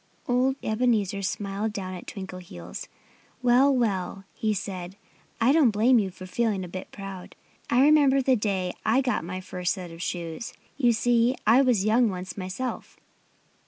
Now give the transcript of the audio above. Old Ebenezer smiled down at Twinkleheels. "Well, well!" he said. "I don't blame you for feeling a bit proud. I remember the day I got my first set of shoes. You see, I was young once myself."